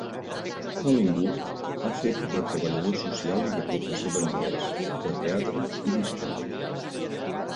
Collingwood ha fet de treballador social i de professor d'anglès, de teatre i d'història.